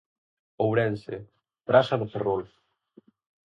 Ourense: Praza do Ferrol.